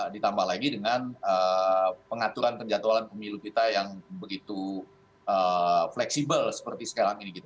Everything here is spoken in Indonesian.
ditambah lagi dengan pengaturan penjatualan pemilu kita yang begitu fleksibel seperti sekarang ini